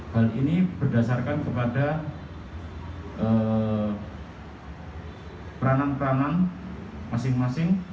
hal ini berdasarkan kepada peranan peranan masing masing